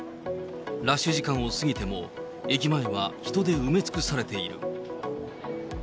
ラッシュ時間を過ぎても、駅前は人で埋め尽くされている。